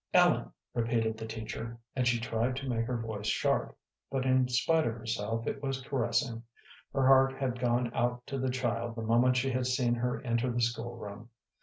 "Ellen," repeated the teacher, and she tried to make her voice sharp, but in spite of herself it was caressing. Her heart had gone out to the child the moment she had seen her enter the school room.